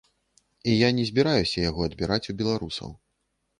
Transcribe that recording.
І я не збіраюся яго адбіраць у беларусаў.